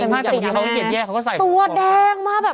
มันจะมากตอนนี้เขาก็แย่เขาก็ใส่